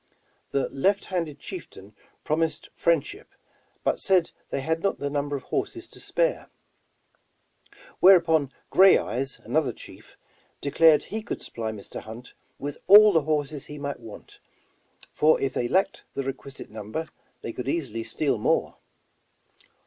The left handed chieftain promised friendship, but said they had not the number of horses to spare. Whereupon, Gray Eyes, another chief, declared he could supply Mr. Hunt with all the horses he might want, for if they lacked the requisite number, they could easily steal more.